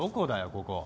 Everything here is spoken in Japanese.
ここ。